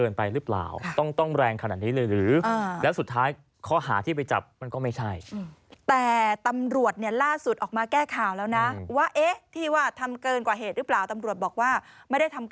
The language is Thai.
แล้วสองของก็ตีกลับไปที่ตำรวจว่า